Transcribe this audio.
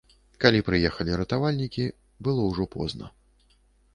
Калі прыехалі ратавальнікі, было ўжо позна.